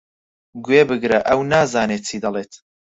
گوێبگرە، ئەو نازانێت چی دەڵێت.